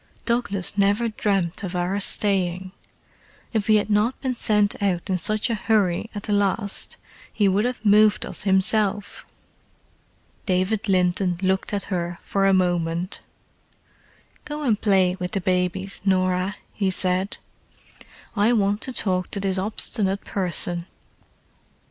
"Douglas never dreamed of our staying: if he had not been sent out in such a hurry at the last he would have moved us himself." David Linton looked at her for a moment. "Go and play with the babies, Norah," he said. "I want to talk to this obstinate person."